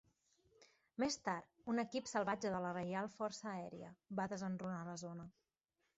Més tard, un equip salvatge de la Reial Força Aèria va desenrunar la zona.